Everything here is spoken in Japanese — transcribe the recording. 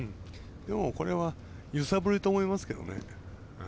でも、これは揺さぶりと思いますけどね。